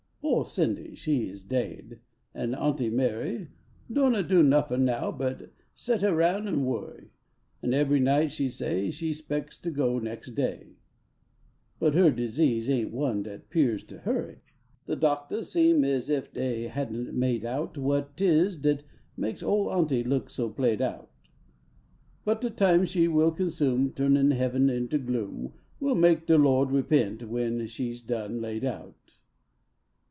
I o Cindy she is daid, and Aunty IVlarv Doan do nuffin now but sate aroun en worry ; Hn ebery night she say She specks to go next day, But her disease ain one dat pears to hurry. De doctors seems es ef de} hadn t made out What tis dat makes ole aunty look so played out ; But de time she will consume Turnin Heaven into gloom Will make de Lo d repent when she s done laid out.